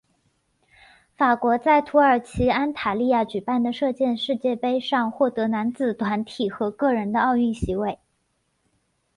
法国在土耳其安塔利亚举办的射箭世界杯上获得男子团体和个人的奥运席位。